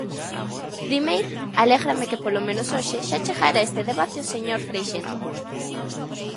Primeiro, alégrame que polo menos hoxe xa chegara a este debate o señor Freixendo.